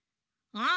うん。